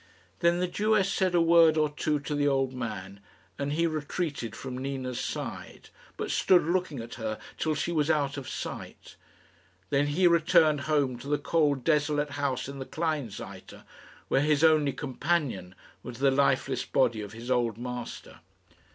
Then the Jewess said a word or two to the old man, and he retreated from Nina's side, but stood looking at her till she was out of sight. Then he returned home to the cold desolate house in the Kleinseite, where his only companion was the lifeless body of his old master.